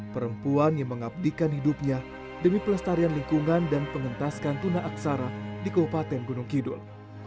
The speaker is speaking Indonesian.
perempuan yang mengabdikan hidupnya demi pelestarian lingkungan dan pengentaskan tuna aksara di kabupaten gunung kidul